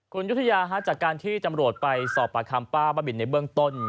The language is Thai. คุณยุธยาจากการที่ตำรวจไปสอบปากคำป้าบ้าบินในเบื้องต้น